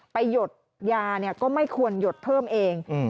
หยดยาเนี่ยก็ไม่ควรหยดเพิ่มเอง